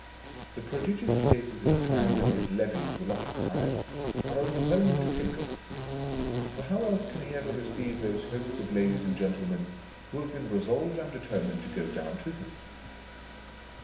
The prodigious spaces of time that his levees will occupy, are overwhelming to think of: for how else can lie ever receive those hosts of ladies and gen tlemen who have been resolved and deter mined to go down to him